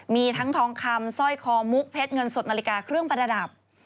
มีทั้งทองคำสร้อยคอมุกเพชรเงินสดนาฬิกาเครื่องประดับ